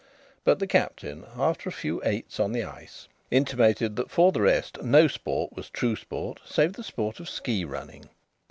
But the Captain, after a few eights on the ice, intimated that for the rest no sport was true sport save the sport of ski running.